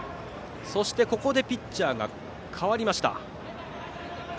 そして、ここでピッチャーが代わりました。